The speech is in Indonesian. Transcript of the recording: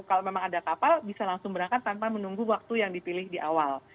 kalau memang ada kapal bisa langsung berangkat tanpa menunggu waktu yang dipilih di awal